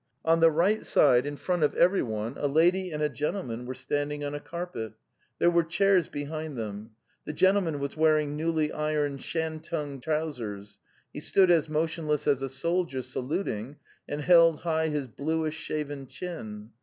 On the right side, in front of everyone, a lady and a gentleman were standing on a carpet. There were chairs behind them. The gentleman was wearing newly ironed shantung trousers; he stood as motion less as a soldier saluting, and held high his bluish shaven chin.